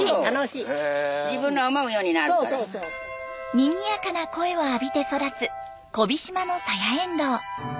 にぎやかな声を浴びて育つ小飛島のサヤエンドウ。